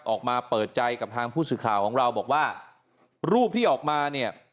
ออกมาเปิดใจกับทางผู้สื่อข่าวของเราบอกว่ารูปที่ออกมาเนี่ย